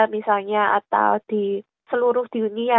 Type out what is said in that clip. misalnya atau di seluruh di dunia